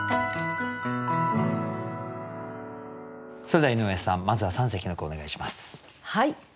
それでは井上さんまずは三席の句をお願いします。